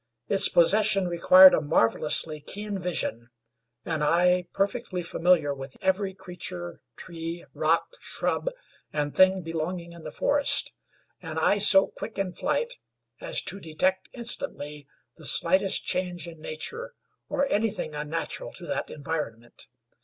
Its possession required a marvelously keen vision, an eye perfectly familiar with every creature, tree, rock, shrub and thing belonging in the forest; an eye so quick in flight as to detect instantly the slightest change in nature, or anything unnatural to that environment.